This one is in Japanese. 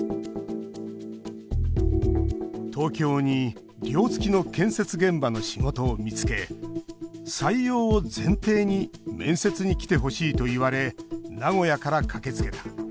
東京に寮付きの建設現場の仕事を見つけ、採用を前提に面接に来てほしいと言われ名古屋から駆けつけた。